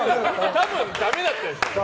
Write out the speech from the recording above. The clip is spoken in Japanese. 多分、ダメだったんですよ。